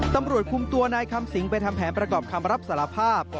ตำรวจคุมตัวนายคำสิงไปทำแผนประกอบคำรับสารภาพ